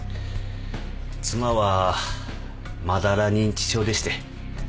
妻はまだら認知症でして。